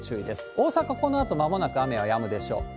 大阪、このあとまもなく雨は止むでしょう。